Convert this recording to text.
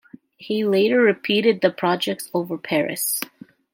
He later repeated the project over Paris.